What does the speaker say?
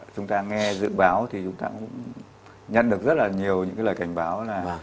chúng ta nghe dự báo thì chúng ta cũng nhận được rất là nhiều lời cảnh báo